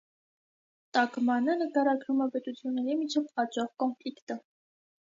Տակմանը նկարագրում է պետությունների միջև աճող կոնֆլիկտը։